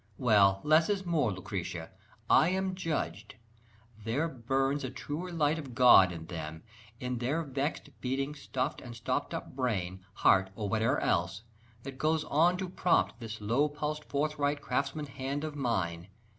Well, less is more, Lucrezia! I am judged. There burns a truer light of God in them, In their vexed, beating, stuffed and stopped up brain, Heart, or whate'er else, that goes on to prompt This low pulsed forthright craftsman's hand of mine.